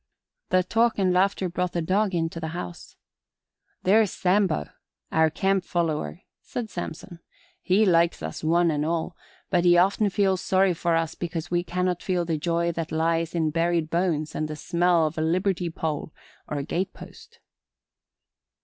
The talk and laughter brought the dog into the house. "There's Sambo, our camp follower," said Samson. "He likes us, one and all, but he often feels sorry for us because we cannot feel the joy that lies in buried bones and the smell of a liberty pole or a gate post."